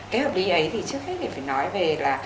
cái hợp lý ấy thì trước hết thì phải nói về là